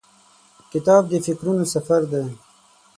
کتاب د فکرونو سفر دی.